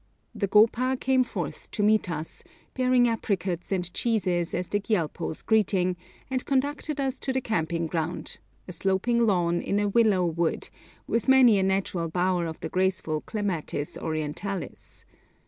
The gopa came forth to meet us, bearing apricots and cheeses as the Gyalpo's greeting, and conducted us to the camping ground, a sloping lawn in a willow wood, with many a natural bower of the graceful Clematis orientalis.